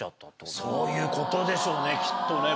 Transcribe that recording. そういうことでしょうねきっとね。